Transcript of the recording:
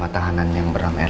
tahanan yang beramai